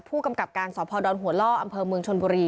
ผู้กำกับการสพดอนหัวล่ออำเภอเมืองชนบุรี